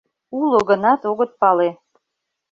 Уло гынат, огыт пале...